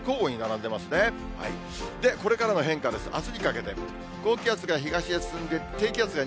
で、これからの変化です。